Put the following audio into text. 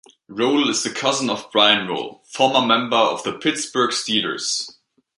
Rolle is the cousin of Brian Rolle, former member of the Pittsburgh Steelers.